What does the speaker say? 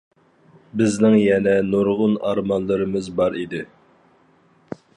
بىزنىڭ يەنە نۇرغۇن ئارمانلىرىمىز بار ئىدى.